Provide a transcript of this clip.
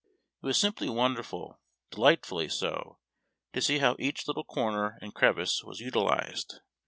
It was simply wonderful, delightfully so, to see how eacli little corner and crevice was utilized.